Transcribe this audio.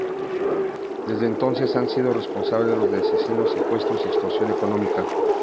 Desde entonces, han sido responsables de asesinatos, secuestros y extorsión económica.